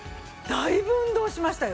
だいぶ運動しましたよ。